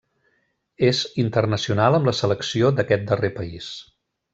És internacional amb la selecció d'aquest darrer país.